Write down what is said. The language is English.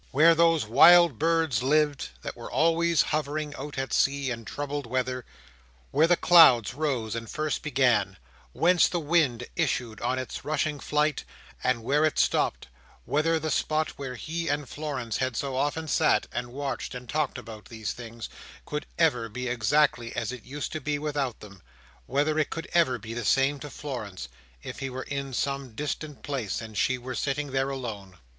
Where those wild birds lived, that were always hovering out at sea in troubled weather; where the clouds rose and first began; whence the wind issued on its rushing flight, and where it stopped; whether the spot where he and Florence had so often sat, and watched, and talked about these things, could ever be exactly as it used to be without them; whether it could ever be the same to Florence, if he were in some distant place, and she were sitting there alone.